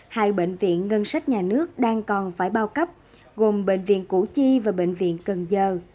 hai bệnh viện ngân sách nhà nước đang còn phải bao cấp gồm bệnh viện củ chi và bệnh viện cần giờ